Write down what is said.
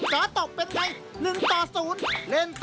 จ๋อตบเป็นไง๑๐